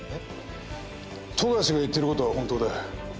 冨樫が言ってることは本当だ。